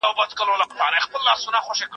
کېدای سي پاکوالي ګډ وي.